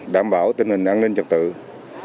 đã tiến hành truy vết khoanh vùng triển khai các chốt